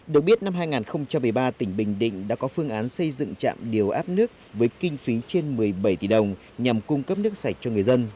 được biết năm hai nghìn một mươi ba tỉnh bình định đã có phương án xây dựng trạm điều áp nước với kinh phí trên một mươi bảy tỷ đồng nhằm cung cấp nước sạch cho người dân